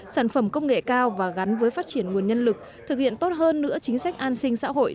sản phẩm công nghệ cao và gắn với phát triển nguồn nhân lực thực hiện tốt hơn nữa chính sách an sinh xã hội